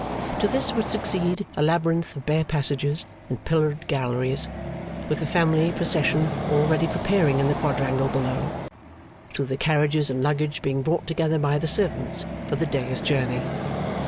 To this would succeed a labyrinth of bare passages and pillared galleries, with the family procession already preparing in the quadrangle below, through the carriages and luggage being brought together by the servants for the day's journey.